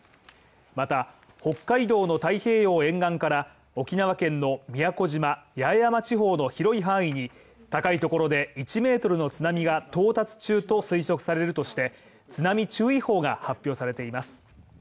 また、北海道の太平洋沿岸から、沖縄県の宮古島・八重山地方の広い範囲に高いところで１ｍの津波が到達中と推測されるとして、津波注意報が発表されています。